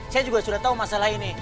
saya juga sudah tahu masalah ini